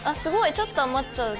ちょっと余っちゃう。